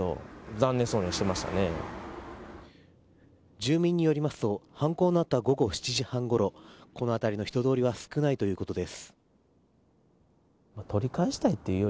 住民によりますと犯行のあった午後７時半ごろこの辺りの人通りは少ないということです。